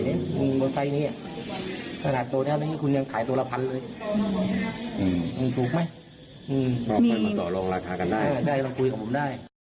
ได้ลองคุยกับผมได้